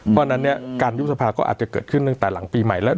เพราะฉะนั้นเนี่ยการยุบสภาก็อาจจะเกิดขึ้นตั้งแต่หลังปีใหม่แล้ว